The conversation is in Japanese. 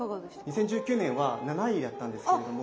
２０１９年は７位だったんですけれども。